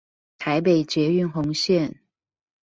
台北捷運紅線